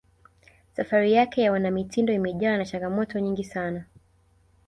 safari yake ya uanamitindo imejawa na changamoto nyingi sana